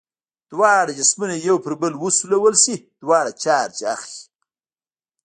دواړه جسمونه یو پر بل وسولول شي دواړه چارج اخلي.